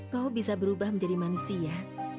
kau bisa berubah menjadi manusia